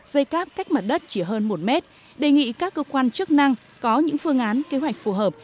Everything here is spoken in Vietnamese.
dây cáp cách mặt đất chỉ hơn một mét đề nghị các cơ quan chức năng có những phương án kế hoạch phù hợp